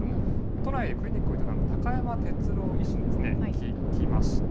都内でクリニックを営む高山哲朗医師に聞きました。